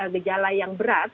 gejala yang berat